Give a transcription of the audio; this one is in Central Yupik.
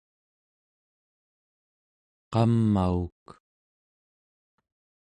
qamauk